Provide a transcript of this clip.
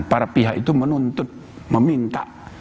para pihak itu menuntut meminta